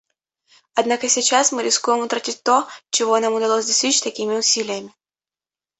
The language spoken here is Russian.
Однако сейчас мы рискуем утратить то, чего нам удалось достичь такими усилиями.